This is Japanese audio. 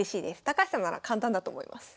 高橋さんなら簡単だと思います。